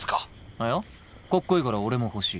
いやかっこいいから俺も欲しい。